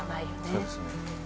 そうですね。